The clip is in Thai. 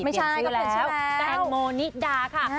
เปลี่ยนชื่อแล้วแตงโมนิดาค่ะ